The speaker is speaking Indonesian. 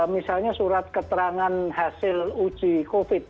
misalnya surat keterangan hasil uji covid